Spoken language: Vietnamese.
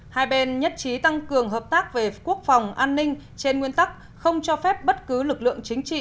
hai bên nhất trí tăng cường hợp tác về quốc phòng an ninh trên nguyên tắc không cho phép bất cứ lực lượng chính trị